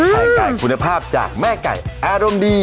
ใครไก่คุณภาพจากแม่ไก่แอนดมดี